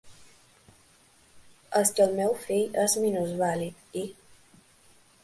És que el meu fill és minusvàlid i.